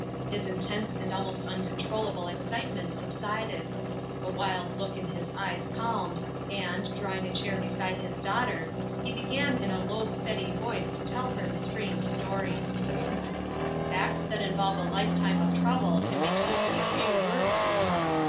His intense and almost uncontrollable excitement subsided; the wild look in his eyes calmed, and, drawing a chair beside his daughter, he began in a low steady voice to tell her the strange story: "Acts that involve a lifetime of trouble can be told in a few words, Ruth.